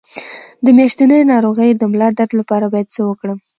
د میاشتنۍ ناروغۍ د ملا درد لپاره باید څه وکړم؟